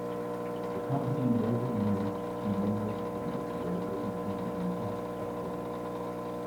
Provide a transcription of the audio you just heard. The company later moved to New York City, where it became a test publisher.